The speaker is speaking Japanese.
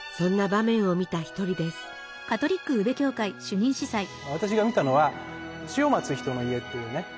私が見たのは「死を待つ人の家」っていうね施設ですね。